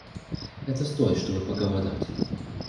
Это стоит, чтобы поголодать.